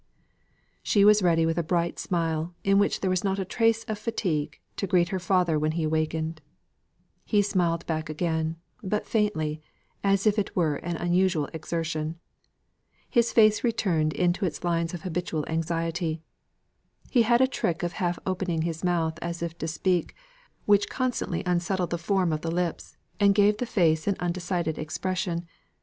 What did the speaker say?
She was ready with a bright smile, in which there was not a trace of fatigue, to greet her father when he awakened. He smiled back again, but faintly, as if it were an unusual exertion. His face returned into its lines of habitual anxiety. He had a trick of half opening his mouth as if to speak, which constantly unsettled the form of the lips, and gave the face an undecided expression.